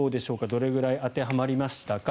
どれくらい当てはまりましたか。